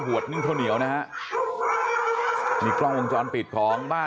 หัวละนึงเข้าเหนียวนะครับมีกล้องลงจอนปิดพร้อม